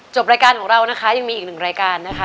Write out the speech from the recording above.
รายการของเรานะคะยังมีอีกหนึ่งรายการนะคะ